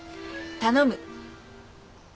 頼む。